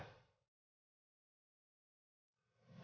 tapi jangan kawal